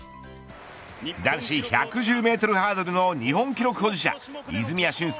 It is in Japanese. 男子１１０メートルハードルの日本記録保持者泉谷駿介